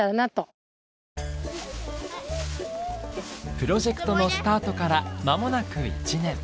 プロジェクトのスタートからまもなく１年。